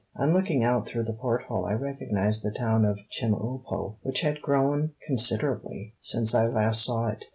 On looking out through the porthole I recognized the town of Chemulpo, which had grown considerably since I last saw it.